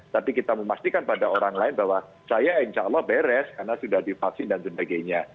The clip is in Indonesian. tapi kita memastikan pada orang lain bahwa saya insya allah beres karena sudah divaksin dan sebagainya